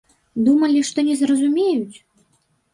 Думалі, што не зразумеюць?